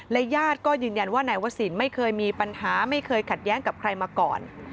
ญาติก็ยืนยันว่านายวศิลป์ไม่เคยมีปัญหาไม่เคยขัดแย้งกับใครมาก่อน